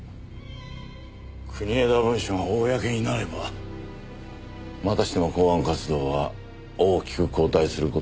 国枝文書が公になればまたしても公安活動は大きく後退する事になる。